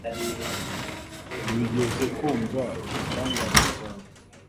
ntibigeze bumva ibitangaza byawe